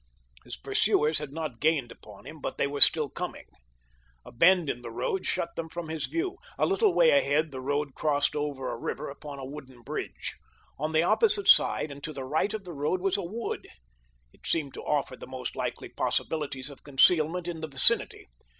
His pursuers had not gained upon him, but they still were coming. A bend in the road shut them from his view. A little way ahead the road crossed over a river upon a wooden bridge. On the opposite side and to the right of the road was a wood. It seemed to offer the most likely possibilities of concealment in the vicinity.